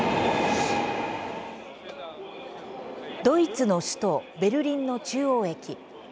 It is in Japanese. ドイツの首都ベルリンの中央駅。